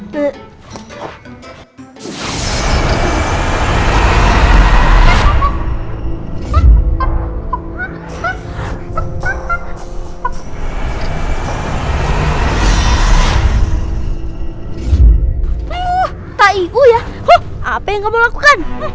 t'ai'u ya apa yang kamu lakukan